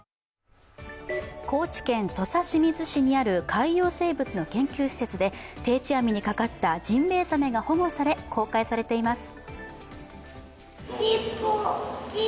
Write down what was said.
高知県土佐清水市にある海洋生物の研究施設で定置網にかかったジンベエザメが保護され、公開されています。